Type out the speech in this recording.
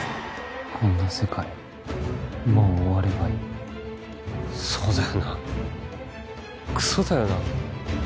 こんな世界もう終わればいいそうだよなクソだよな